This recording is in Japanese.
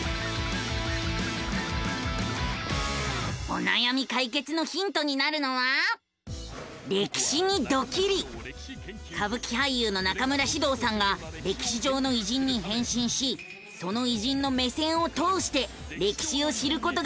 おなやみ解決のヒントになるのは歌舞伎俳優の中村獅童さんが歴史上の偉人に変身しその偉人の目線を通して歴史を知ることができる番組なのさ！